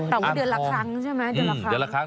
แต่ว่าเดือนละครั้งใช่ไหม